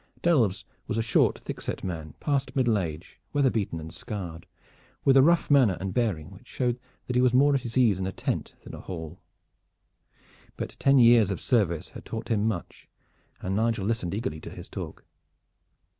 Delves was a short, thick set man past middle age, weather beaten and scarred, with a rough manner and bearing which showed that he was more at his ease in a tent than a hall. But ten years of service had taught him much, and Nigel listened eagerly to his talk.